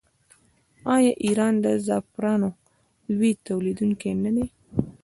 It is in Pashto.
آیا ایران د زعفرانو لوی تولیدونکی نه دی؟